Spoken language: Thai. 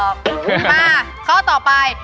มาข้อต่อไป